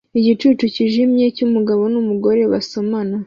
Igicucu cyijimye cyumugabo numugore basomana